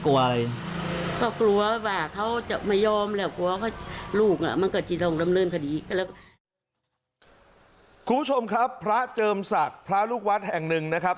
คุณผู้ชมครับพระเจิมศักดิ์พระลูกวัดแห่งหนึ่งนะครับ